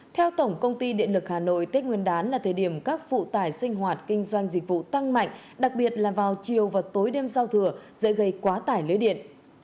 theo tổng công ty điện lực hà nội tết nguyên đán là thời điểm các phụ tải sinh hoạt kinh doanh dịch vụ tăng mạnh đặc biệt là vào chiều và tối đêm giao thừa dễ gây quá tải lưới điện